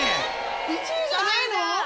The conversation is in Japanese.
１位じゃないの？